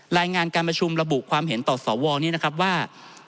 รายงานการประชุมระบุความเห็นต่อสวนี้นะครับว่า